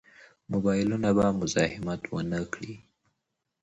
موبایلونه به مزاحمت ونه کړي.